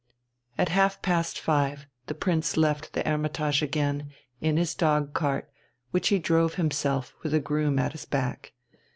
At half past five the Prince left the "Hermitage" again, in his dogcart, which he drove himself, with a groom at his back.